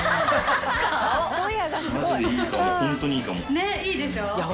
ねっいいでしょ？